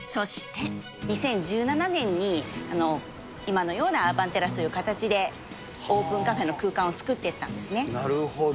２０１７年に、今のようなアーバンテラスという形でオープンカフェの空間を作っなるほど。